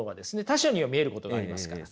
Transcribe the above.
他者には見えることがありますから。